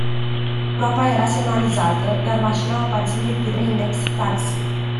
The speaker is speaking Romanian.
Groapa era semnalizată, iar mașina aparține firmei Next Taxi.